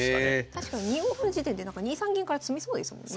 確かに２五歩の時点で２三銀から詰みそうですもんね。